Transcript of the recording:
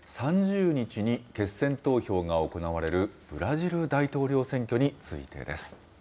３０日に決選投票が行われるブラジル大統領選挙についてです。